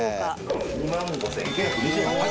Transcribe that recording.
２万５，９２０円で。